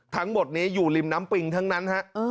ทั้งหมดนี้อยู่ริมน้ำปิงทั้งนั้นฮะ